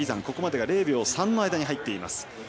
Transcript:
ここまでが０秒３の間に入っています。